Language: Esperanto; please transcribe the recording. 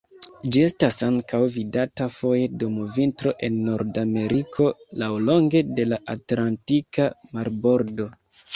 Ĝi estas ankaŭ vidata foje dum vintro en Nordameriko laŭlonge de la Atlantika Marbordo.